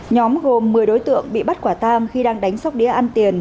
nhóm gồm một mươi đối tượng bị bắt quả tang khi đang đánh sóc đĩa ăn tiền